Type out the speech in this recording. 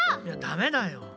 いやダメだよ。